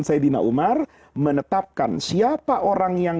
sayyidina umar menetapkan siapa orang yang